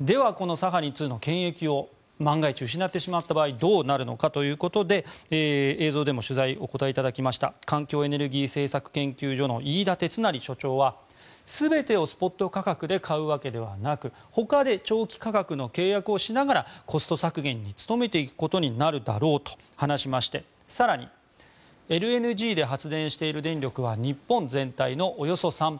では、このサハリン２の権益を万が一失ってしまった場合どうなるのかということで映像でも取材にお答えいただきました環境エネルギー政策研究所の飯田哲也所長は全てをスポット価格で買うわけではなくほかで長期価格の契約をしながらコスト削減に努めていくことになるだろうと話しまして更にＬＮＧで発電している電力は日本全体のおよそ３％。